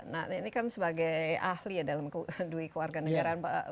nah ini kan sebagai ahli ya dalam dui kewarganegaraan